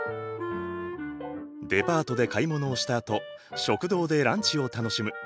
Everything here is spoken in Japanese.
デパートで買い物をしたあと食堂でランチを楽しむ。